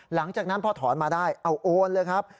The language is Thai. หลังจากนั้นพอถอนมาได้เอาโอนเลยครับ